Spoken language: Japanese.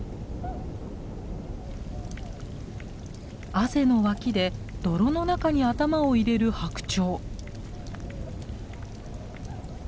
あぜの脇で泥の中に頭を入れるハクチョウ。